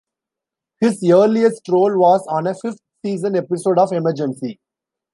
His earliest role was on a fifth-season episode of "Emergency!".